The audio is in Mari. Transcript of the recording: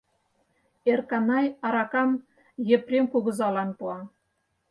Эрканай аракам Епрем кугызалан пуа.